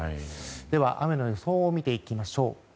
では、雨の予想を見ていきましょう。